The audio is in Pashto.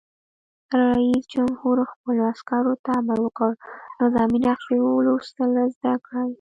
رئیس جمهور خپلو عسکرو ته امر وکړ؛ نظامي نقشې لوستل زده کړئ!